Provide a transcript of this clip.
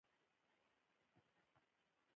خپله طرح وي.